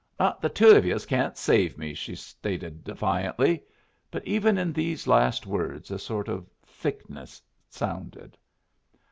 "Not the two of yus can't save me," she stated, defiantly. But even in these last words a sort of thickness sounded.